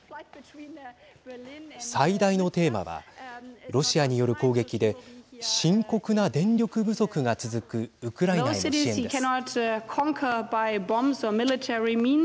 最大のテーマはロシアによる攻撃で深刻な電力不足が続くウクライナへの支援です。